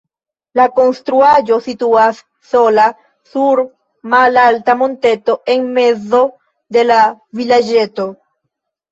La konstruaĵo situas sola sur malalta monteto en mezo de la vilaĝeto.